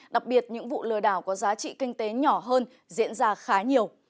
đặc biệt những vụ lừa đảo có giá trị kinh tế nhỏ hơn diễn ra khá nhiều